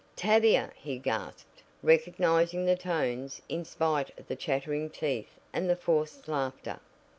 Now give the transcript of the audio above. "Tavia!" he gasped, recognizing the tones in spite of the chattering teeth and the forced laughter.